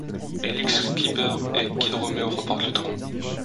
Elix Skipper & Kid Romeo remportent le tournoi.